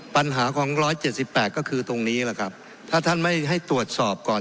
ปัญหาของร้อยเจ็ดสิบแปดก็คือตรงนี้แหละครับถ้าท่านไม่ให้ตรวจสอบก่อน